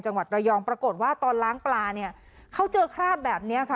จังหวัดระยองปรากฏว่าตอนล้างปลาเนี่ยเขาเจอคราบแบบเนี้ยค่ะ